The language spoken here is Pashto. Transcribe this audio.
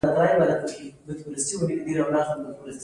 دا له نه لېوالتيا څخه نه رامنځته کېږي.